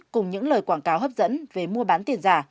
cùng những lời quảng cáo hấp dẫn về mua bán tiền giả